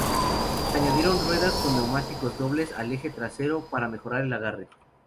Se añadieron ruedas con neumáticos dobles al eje trasero, para mejorar el agarre.